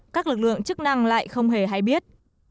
các lực lượng chức năng lại không hề hay biết